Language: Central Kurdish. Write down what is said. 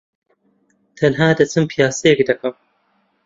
تەنھا دەچم پیاسەیەک دەکەم.